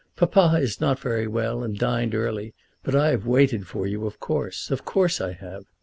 "Papa is not very well and dined early, but I have waited for you, of course. Of course I have.